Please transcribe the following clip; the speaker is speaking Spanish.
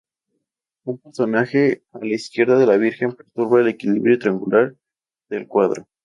Uno personaje a la izquierda de la Virgen perturba el equilibrio triangular del cuadro.